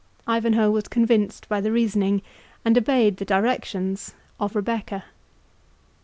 Ivanhoe was convinced by the reasoning, and obeyed the directions, of Rebecca.